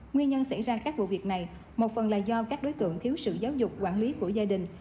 nguyên nhân xảy ra các vụ việc này một phần là do các đối tượng thiếu sự giáo dục quản lý của gia đình